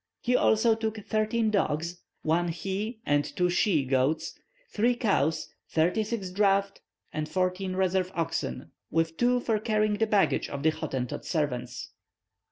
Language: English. He also took thirteen dogs, one he and two she goats, three cows, thirty six draught and fourteen reserve oxen, with two for carrying the baggage of the Hottentot servants.